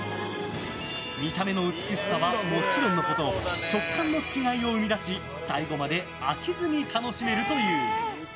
見た目の美しさはもちろんのこと食感の違いを生み出し最後まで飽きずに楽しめるという。